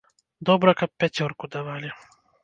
Добра, каб пяцёрку давалі.